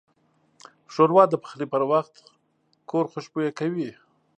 ښوروا د پخلي پر وخت کور خوشبویه کوي.